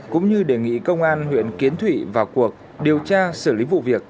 cũng như đề nghị công an huyện kiến thụy vào cuộc điều tra xử lý vụ việc